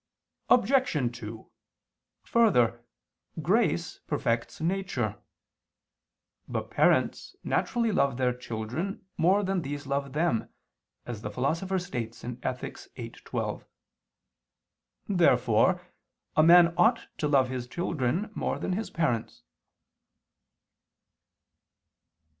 Obj. 2: Further, grace perfects nature. But parents naturally love their children more than these love them, as the Philosopher states (Ethic. viii, 12). Therefore a man ought to love his children more than his parents.